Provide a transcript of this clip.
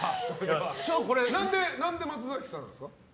何で松崎さんなんですか？